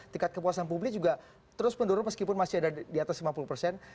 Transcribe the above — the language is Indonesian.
tingkat kepuasan publik juga terus menurun meskipun masih ada di atas lima puluh persen